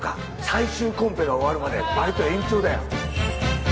最終コンペが終わるまでバイト延長だよ。